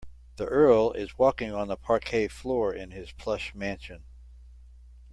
The earl is walking on the parquet floor in his plush mansion.